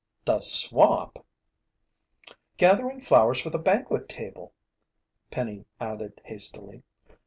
"The swamp!" "Gathering flowers for the banquet table," Penny added hastily.